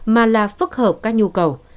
mà là phức hợp các nhu cầu